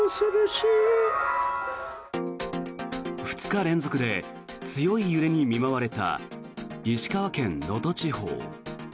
２日連続で強い揺れに見舞われた石川県能登地方。